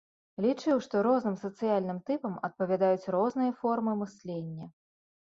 Лічыў, што розным сацыяльным тыпам адпавядаюць розныя формы мыслення.